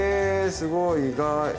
すごい意外。